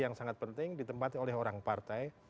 yang sangat penting ditempati oleh orang partai